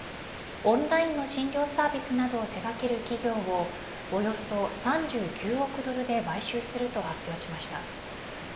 オンラインの診療サービスなどを手掛ける企業をおよそ３９億ドルで買収すると発表しました。